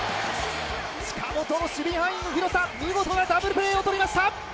近本の守備範囲の広さ見事なダブルプレーをとりました